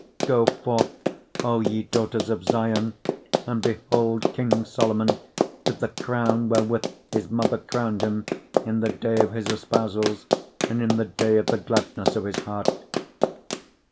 3:11 Go forth, O ye daughters of Zion, and behold king Solomon with the crown wherewith his mother crowned him in the day of his espousals, and in the day of the gladness of his heart.